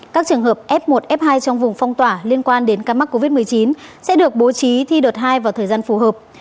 các trường hợp f một f hai trong vùng phong tỏa liên quan đến ca mắc covid một mươi chín sẽ được bố trí thi đợt hai vào thời gian phù hợp